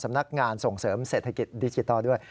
สำนักงานส่งเสริมเศรษฐกิจดิจิทัลด้วย